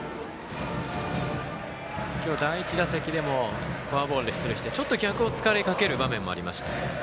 今日、第１打席でもフォアボールで出塁して逆をつかれかける場面もありました。